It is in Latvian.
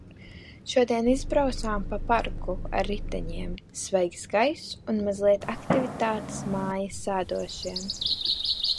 Šodien izbraucām pa parku ar riteņiem – svaigs gaiss un mazliet aktivitātes mājās sēdošiem.